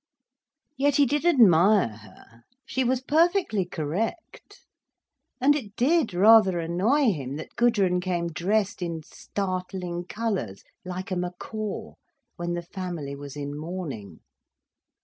Yet he did admire her. She was perfectly correct. And it did rather annoy him, that Gudrun came dressed in startling colours, like a macaw, when the family was in mourning.